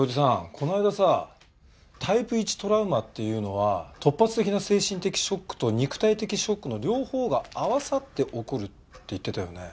この間さタイプ１トラウマっていうのは突発的な精神的ショックと肉体的ショックの両方が合わさって起こるって言ってたよね？